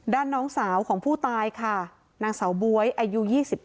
น้องสาวของผู้ตายค่ะนางสาวบ๊วยอายุ๒๗